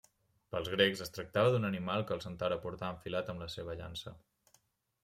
Pels grecs, es tractava d'un animal que el Centaure portava enfilat amb la seva llança.